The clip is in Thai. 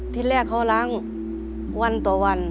ที่แรกเขาล้างวันต่อวัน